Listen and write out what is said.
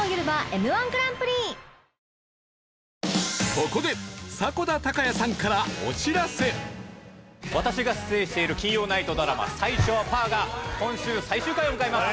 ここで私が出演している金曜ナイトドラマ『最初はパー』が今週最終回を迎えます。